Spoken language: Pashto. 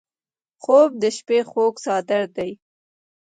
خوب د شپه خوږ څادر دی